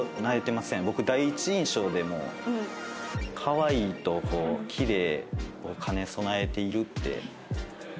僕第一印象でもうかわいいときれいを兼ね備えているって。